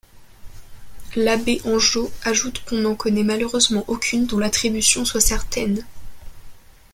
L'abbé Angot ajoute qu'on n'en connait malheureusement aucune dont l'attribution soit certaine.